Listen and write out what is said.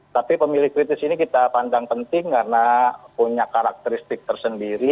tapi pemilih kritis ini kita pandang penting karena punya karakteristik tersendiri